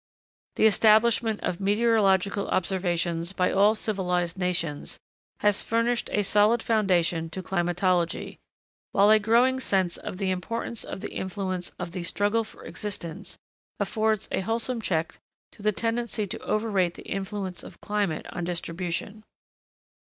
The establishment of meteorological observations by all civilised nations, has furnished a solid foundation to climatology; while a growing sense of the importance of the influence of the 'struggle for existence' affords a wholesome check to the tendency to overrate the influence of climate on distribution.